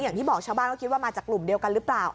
อย่างที่บอกชาวบ้านก็คิดว่ามาจากกลุ่มเดียวกันหรือเปล่า